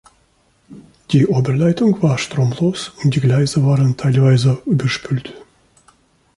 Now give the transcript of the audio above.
Die Oberleitung war stromlos und die Gleise waren teilweise überspült.